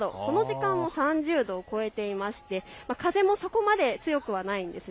この時間も３０度を超えていまして、風もそこまで強くはないんです。